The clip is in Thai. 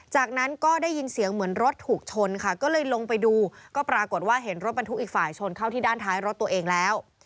จากนั้นก็ได้ยินเสียงเหมือนรถถูกชนค่ะก็เลยลงไปดูก็ปรากฏว่าเห็นรถบรรทุกอีกฝ่ายชนเข้าที่ด้านท้ายรถตัวเองแล้ว